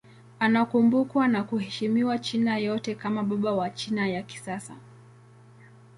Anakumbukwa na kuheshimiwa China yote kama baba wa China ya kisasa.